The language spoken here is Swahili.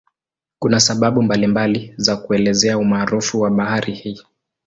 Kuna sababu mbalimbali za kuelezea umaarufu wa bahari hii.